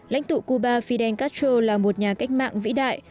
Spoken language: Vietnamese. lãnh tụ cuba fidel castro là một nhà cách mạng vĩ đại